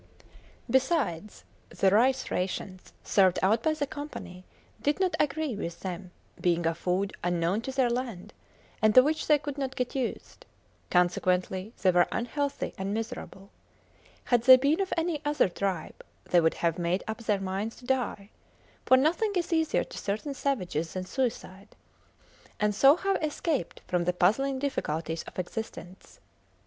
Besides, the rice rations served out by the Company did not agree with them, being a food unknown to their land, and to which they could not get used. Consequently they were unhealthy and miserable. Had they been of any other tribe they would have made up their minds to die for nothing is easier to certain savages than suicide and so have escaped from the puzzling difficulties of existence.